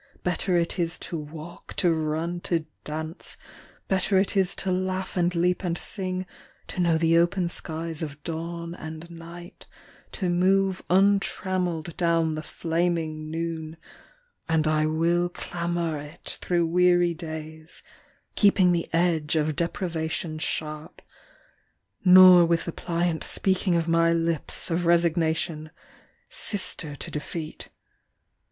Better it is to walk, to run, to dance, Better it is to laugh and leap and sing, To know the open skies of dawn and night, To move untrammeled down the flaming noon, And I will clamour it through weary days Keeping the edge of deprivation sharp, Nor with the pliant speaking of my lips Of resignation, sister to defeat.